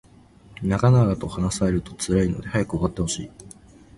長々と話されると辛いので早く終わってほしい